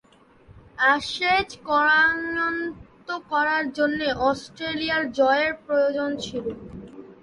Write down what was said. Ashes করায়ত্ত্ব করার জন্যে অস্ট্রেলিয়ার জয়ের প্রয়োজন ছিল।